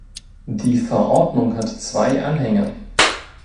Die Verordnung hat zwei Anhänge.